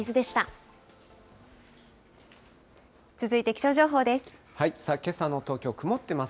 続いて気象情報です。